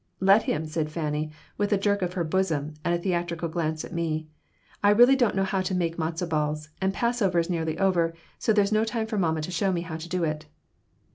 "Let him," said Fanny, with a jerk of her bosom and a theatrical glance at me. "I really don't know how to make matzo balls, and Passover is nearly over, so there's no time for mamma to show me how to do it."